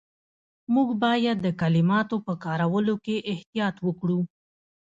موږ باید د کلماتو په کارولو کې احتیاط وکړو.